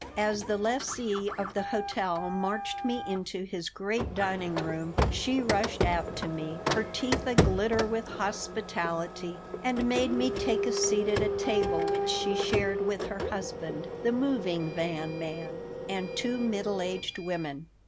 As the lessee of the hotel marched me into his great dining room she rushed out to me, her teeth aglitter with hospitality, and made me take a seat at a table which she shared with her husband, the moving van man, and two middle aged women.